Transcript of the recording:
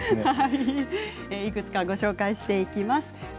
いくつかご紹介していきます。